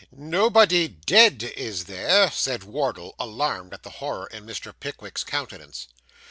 'Nobody dead, is there?' said Wardle, alarmed at the horror in Mr. Pickwick's countenance.